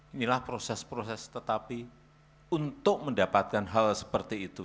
inilah proses proses tetapi untuk mendapatkan hal seperti itu